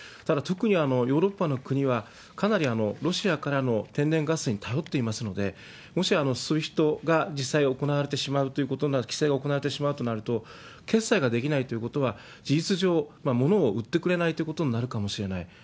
ただ、特にヨーロッパの国は、かなりロシアからの天然ガスに頼っていますので、もしＳＷＩＦＴが実際行われてしまう、規制が行われてしまうとなると、決裁ができないということは、事実上、物を売ってくれないということになるかもしれない。